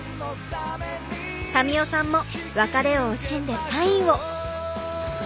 民生さんも別れを惜しんでサインを。